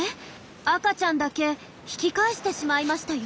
赤ちゃんだけ引き返してしまいましたよ。